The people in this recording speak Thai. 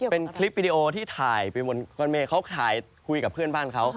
เป็นคลิปวิดีโอที่ถ่ายไปบนเมย์เขาถ่ายคุยกับเพื่อนบ้านเขา